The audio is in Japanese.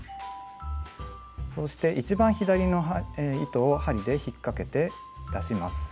そして一番左の糸を針で引っかけて出します。